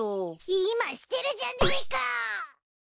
今してるじゃねえか！